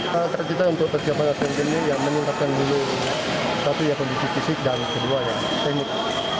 kami kreditas untuk persiapan asean games ini menimpa dulu satu yang kondisi fisik dan kedua yang teknik